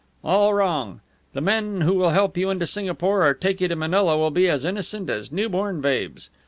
"All wrong! The men who will help you into Singapore or take you to Manila will be as innocent as newborn babes.